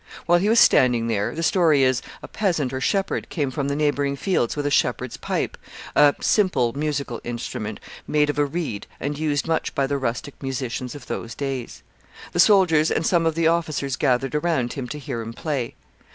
While he was standing there, the story is, a peasant or shepherd came from the neighboring fields with a shepherd's pipe a simple musical instrument, made of a reed, and used much by the rustic musicians of those days. The soldiers and some of the officers gathered around him to hear him play.